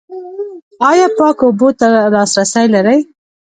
ایا پاکو اوبو ته لاسرسی لرئ؟